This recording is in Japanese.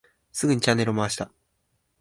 すぐにチャンネルを回した。